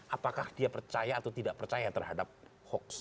apakah dia percaya atau tidak percaya terhadap hoax